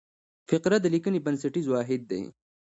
فقره د لیکني بنسټیز واحد دئ.